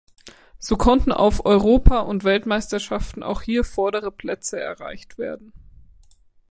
So konnten auf Europa- und Weltmeisterschaften auch hier vordere Plätze erreicht werden.